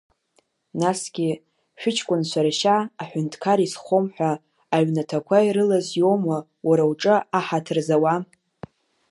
Насгьы, шәыҷкәынцәа ршьа аҳәынҭқар изхом ҳәа, аҩнаҭақәа ирылаз иоума уара уҿы аҳаҭыр зауа?